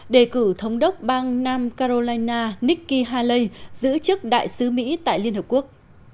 đề cử thống đốc bang nam carolina nikki haley giữ chức đại sứ mỹ tại liên hợp quốc